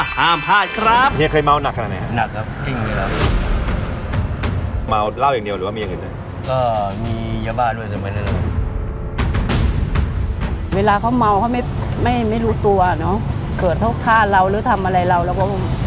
ห้ามพลาดครับ